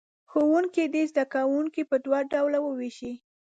ښوونکي دې زه کوونکي په دوو ډلو ووېشي.